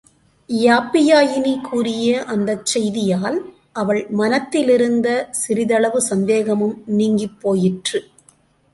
யாப்பியாயினி கூறிய அந்தச் செய்தியால், அவள் மனத்திலிருந்த சிறிதளவு சந்தேகமும் நீங்கிப் போயிற்று.